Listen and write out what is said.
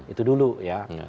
itu dulu ya